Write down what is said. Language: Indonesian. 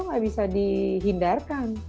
tidak bisa dihindarkan